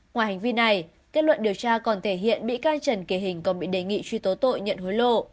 ngoài hành vi này kết luận điều tra còn thể hiện bị can trần kỳ hình còn bị đề nghị truy tố tội nhận hối lộ